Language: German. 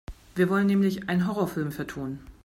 Wir wollen nämlich einen Horrorfilm vertonen.